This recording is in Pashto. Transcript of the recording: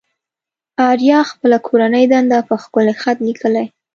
آريا خپله کورنۍ دنده په ښکلي خط ليكي.